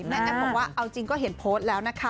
แอปบอกว่าเอาจริงก็เห็นโพสต์แล้วนะคะ